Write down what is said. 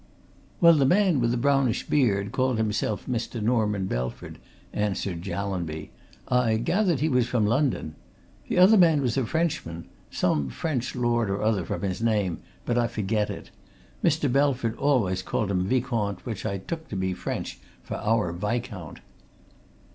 "Well, the man with the brownish beard called himself Mr. Norman Belford," answered Jallanby. "I gathered he was from London. The other man was a Frenchman some French lord or other, from his name, but I forget it. Mr. Belford always called him Vicomte which I took to be French for our Viscount."